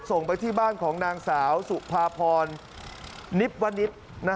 ส่งไปอยู่ใบ้งของนางสาวสุภพรณิบวนิบ